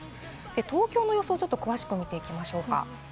東京の予想を詳しく見ていきましょう。